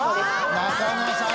中野さんだ。